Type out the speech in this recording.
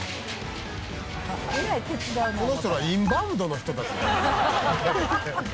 この人らインバウンドの人たち？